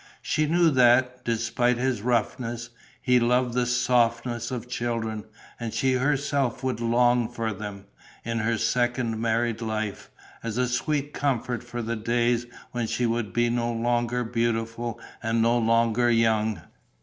She knew that, despite his roughness, he loved the softness of children; and she herself would long for them, in her second married life, as a sweet comfort for the days when she would be no longer beautiful and no longer young.